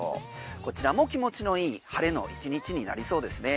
こちらも気持ちの良い晴れの１日になりそうですね。